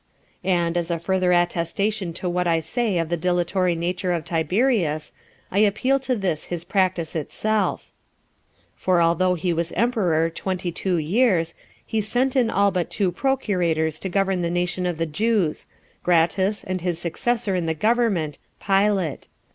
And, as a further attestation to what I say of the dilatory nature of Tiberius, I appeal to this his practice itself; for although he was emperor twenty two years, he sent in all but two procurators to govern the nation of the Jews, Gratus, and his successor in the government, Pilate.